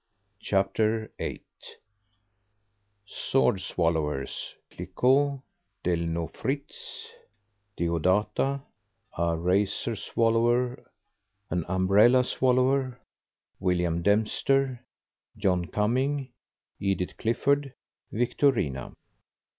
CHAPTER EIGHT SWORD SWALLOWERS: CLIQUOT, DELNO FRITZ, DEODATA, A RAZOR SWALLOWER, AN UMBRELLA SWALLOWER, WILLIAM DEMPSTER, JOHN CUMMING, EDITH CLIFFORD, VICTORINA.